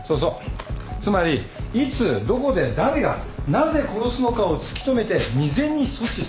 つまりいつどこで誰がなぜ殺すのかを突き止めて未然に阻止する。